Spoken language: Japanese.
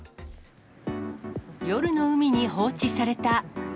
夜の海に放置された。